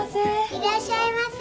いらっしゃいませ。